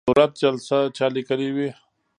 صورت جلسه چا لیکلې وي؟